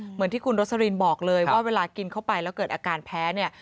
เหมือนที่คุณโรสลินบอกเลยว่าเวลากินเข้าไปแล้วเกิดอาการแพ้เนี่ย